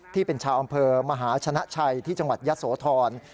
ที่เป็นชาวอำเภอมหาชนะชัยที่จังหวัดยะโสธร